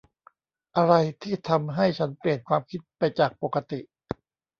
อะไรที่ทำให้ฉันเปลี่ยนความคิดไปจากปกติ ?